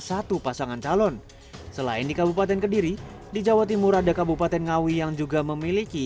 satu pasangan calon selain di kabupaten kediri di jawa timur ada kabupaten ngawi yang juga memiliki